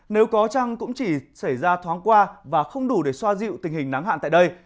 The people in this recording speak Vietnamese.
nếu có chăng cũng chỉ xảy ra thoáng qua và không đủ để xoa dịu tình hình nắng hạn tại đây